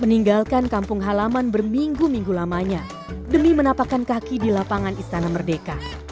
meninggalkan kampung halaman berminggu minggu lamanya demi menapakkan kaki di lapangan istana merdeka